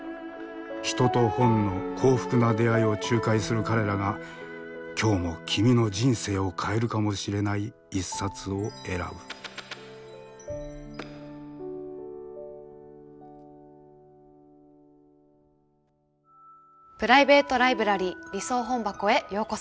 人と本の幸福な出会いを仲介する彼らが今日も君の人生を変えるかもしれない一冊を選ぶプライベート・ライブラリー理想本箱へようこそ。